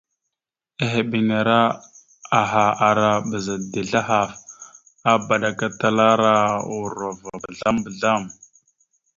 Ehebeŋabara aha ara bəza dezl ahaf, abaɗakatalara ohərov mbəzlam- mbəzlam.